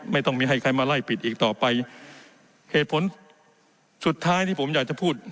ไม่ต้องมีให้ใครมาไล่ปิดอีกต่อไปเหตุผลสุดท้ายที่ผมอยากจะพูด